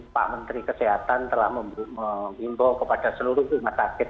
pak menteri kesehatan telah mengimbau kepada seluruh rumah sakit